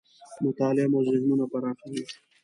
مطالعه مو ذهنونه پراخوي .